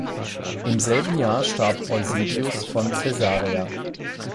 Im selben Jahr starb Eusebius von Caesarea.